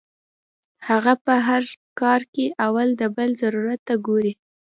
هغه پۀ هر کار کې اول د بل ضرورت ته ګوري -